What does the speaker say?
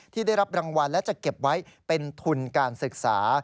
ที่ได้รับรางวัลและจะเก็บไว้เป็นทุนการศึกษา